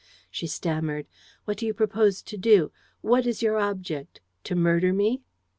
She stammered: "What do you propose to do? What is your object? To murder me?"